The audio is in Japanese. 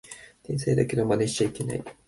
天才だけどマネしちゃいけない